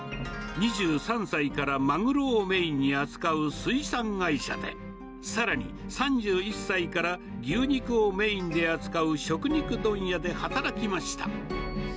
２３歳からマグロをメインに扱う水産会社で、さらに、３１歳から牛肉をメインで扱う食肉問屋で働きました。